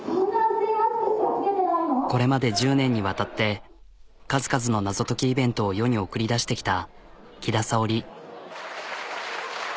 これまで１０年にわたって数々の謎解きイベントを世に送り出してきたきださおり。